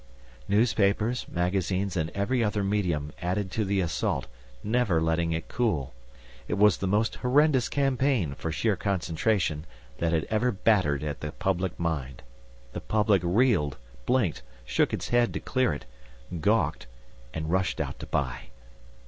_" Newspapers, magazines and every other medium added to the assault, never letting it cool. It was the most horrendous campaign, for sheer concentration, that had ever battered at the public mind. The public reeled, blinked, shook its head to clear it, gawked, and rushed out to buy.